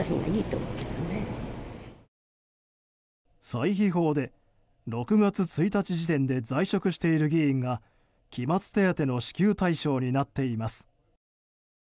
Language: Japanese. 歳費法で６月１日時点で在職している議員が期末手当の支給対象になっています。